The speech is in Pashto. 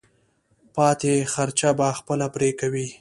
پاتې خرچه به خپله پرې کوې.